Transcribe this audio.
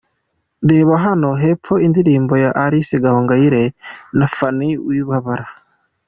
Reba hano hepfo indirimbo ya Aline Gahongyire na Phanny Wibabara.